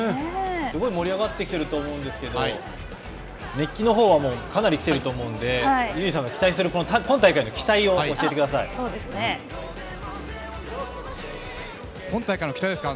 すごい盛り上がってきてると思うんですけれども、熱気のほうはかなり来ていると思うんで、佑二さんの今大会の期待を教えてくだ今大会の期待ですか？